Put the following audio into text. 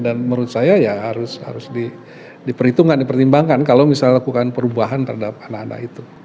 dan menurut saya ya harus diperhitungkan dipertimbangkan kalau misalnya lakukan perubahan terhadap anak anak itu